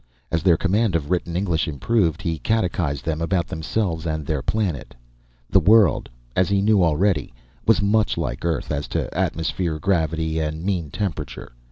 As their command of written English improved, he catechized them about themselves and their planet. The world, as he knew already, was much like Earth as to atmosphere, gravity and mean temperature.